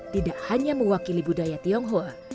tidak hanya mewakili budaya tionghoa